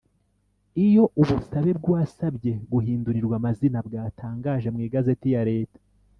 Iyo ubusabe bw’uwasabye guhindurirwa amazina bwatangaje mu igazeti ya Leta